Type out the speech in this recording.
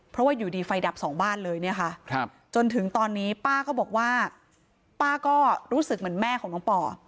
เพราะว่าอยู่ดีไฟดับสองบ้านเลยเนี่ยค่ะจนถึงตอนนี้ป้าก็บอกว่าป้าก็รู้สึกเหมือนแม่ของน้องปอ